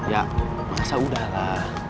ya masa udah lah